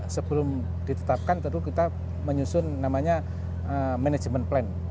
sebelum ditetapkan tentu kita menyusun namanya manajemen plan